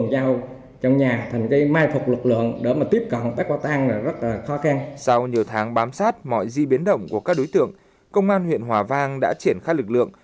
sau nhiều tháng bám sát mọi di biến động của các đối tượng công an huyện hòa vang đã triển khai lực lượng